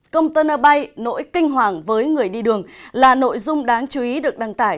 công tân ở bay nỗi kinh hoàng với người đi đường là nội dung đáng chú ý được đăng tải